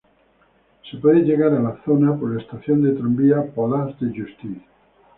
Se puede llegar la zona por la estación de tranvía "Palais de Justice".